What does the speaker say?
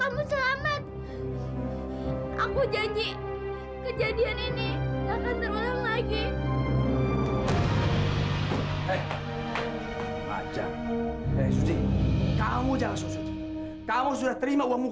menolak bos itu ngerti gak kamu